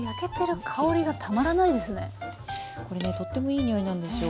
とってもいい匂いなんですよ。